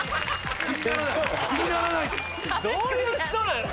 どういう人なんだ。